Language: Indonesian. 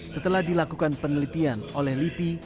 setelah dilakukan penelitian oleh lipi